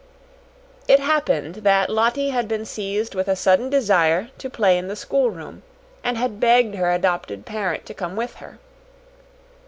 It happened that Lottie had been seized with a sudden desire to play in the schoolroom, and had begged her adopted parent to come with her.